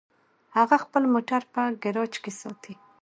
هغه خپل موټر په ګراج کې ساتي